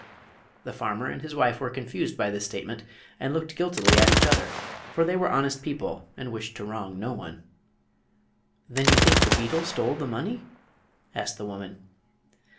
The farmer and his wife were confused by this statement and looked guiltily at each other, for they were honest people and wished to wrong no one. "Then you think the beetle stole the money?" asked the woman.